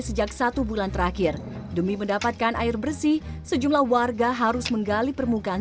sejak satu bulan terakhir demi mendapatkan air bersih sejumlah warga harus menggali permukaan